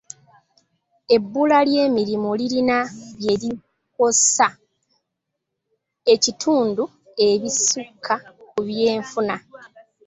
Ebbula ly'emirimu lirina bye likosa ekitundu ebisukka ku byenfuna.